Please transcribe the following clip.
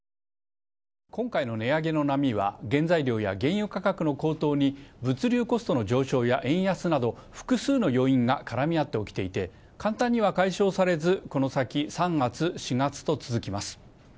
今回の値上げの波は、原材料や原油価格の高騰に、物流コストの上昇や円安など、複数の要因が絡み合って起きていて、簡単には解消されず、この先３月、４月と続きます。